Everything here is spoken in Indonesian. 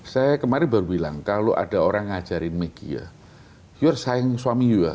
saya kemarin baru bilang kalau ada orang ngajarin meggy ya you sayang suami you ya